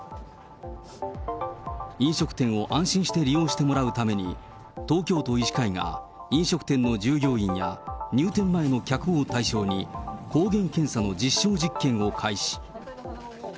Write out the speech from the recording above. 飲食店を安心して利用してもらうために、東京都医師会が飲食店の従業員や入店前の客を対象に、抗原検査の実証実験を開始。